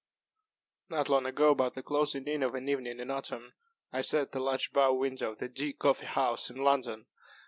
Not long ago, about the closing in of an evening in autumn, I sat at the large bow window of the D__ Coffee House in London.